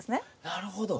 なるほど。